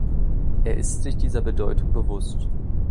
Er ist sich dieser Bedeutung bewusst.